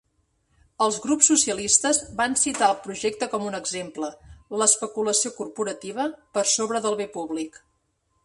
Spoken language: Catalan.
Els grups socialistes van citar el projecte com un exemple l'especulació corporativa per sobre del bé públic.